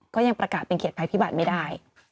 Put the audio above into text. ก็ยังประกาศเป็นเขตภัยพิบัติไม่ได้